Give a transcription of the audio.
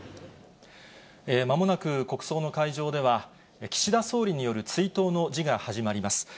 まもなく国葬の会場では、岸田総理による追悼の辞が始まります。